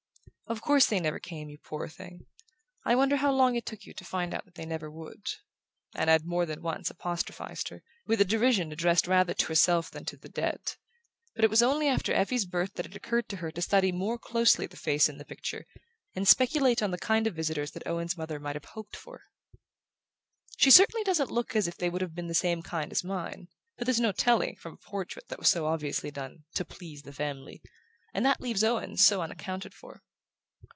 "Of course they never came, you poor thing! I wonder how long it took you to find out that they never would?" Anna had more than once apostrophized her, with a derision addressed rather to herself than to the dead; but it was only after Effie's birth that it occurred to her to study more closely the face in the picture, and speculate on the kind of visitors that Owen's mother might have hoped for. "She certainly doesn't look as if they would have been the same kind as mine: but there's no telling, from a portrait that was so obviously done 'to please the family', and that leaves Owen so unaccounted for.